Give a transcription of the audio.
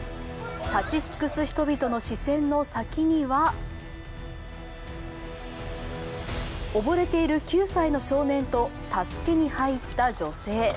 立ち尽くす人々の視線の先には溺れている９歳の少年と助けに入った女性。